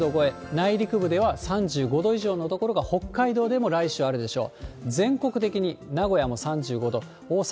内陸部では３５度以上のところが北海道でも来週あるでしょう。